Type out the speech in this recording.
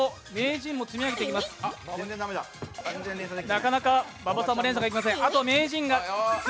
なかなか馬場さんも連鎖ができません。